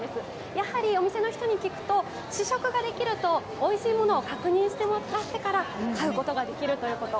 やはりお店の人に聞くと試食ができるとおいしいものを確認してもらってから買うことができるということ。